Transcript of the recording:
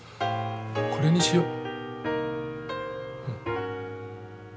これにしよう。